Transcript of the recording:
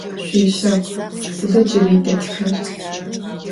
Şüişagu sıda cıri detxer?